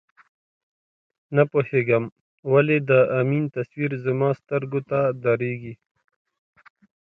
نه پوهېدم ولې د امین تصویر زما سترګو ته درېږي.